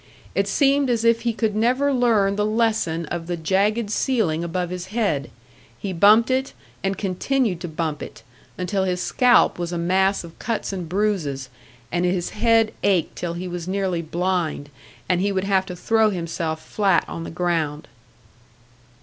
It seemed as if he could never learn the lesson of the jagged ceiling above his head he bumped it and continued to bump it, until his scalp was a mass of cuts and bruises, and his head ached till he was nearly blind, and he would have to throw himself flat on the ground.